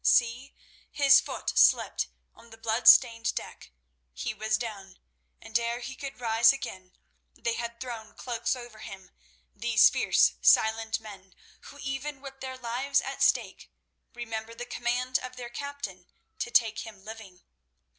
See! his foot slipped on the blood stained deck. He was down, and ere he could rise again they had thrown cloaks over him, these fierce, silent men, who even with their lives at stake, remembered the command of their captain, to take him living.